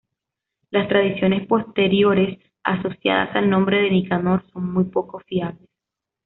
Las tradiciones posteriores asociadas al nombre de Nicanor son muy poco fiables.